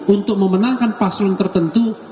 untuk memenangkan paslon tertentu